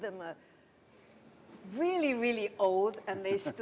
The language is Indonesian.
tapi setiap enam truk lebih dekat